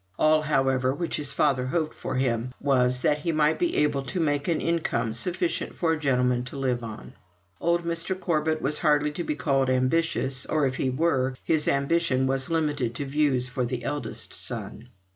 All, however, which his father hoped for him was, that he might be able to make an income sufficient for a gentleman to live on. Old Mr. Corbet was hardly to be called ambitious, or, if he were, his ambition was limited to views for the eldest son.